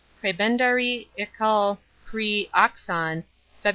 Prebendari' Eccl Chri' Oxon Feb.